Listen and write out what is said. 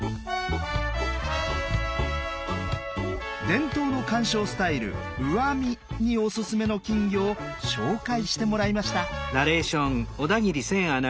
伝統の観賞スタイル「上見」にオススメの金魚を紹介してもらいました。